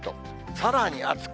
さらに暑く。